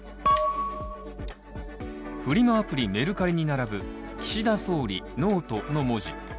フリマアプリメルカリに並ぶ岸田総理ノートの文字。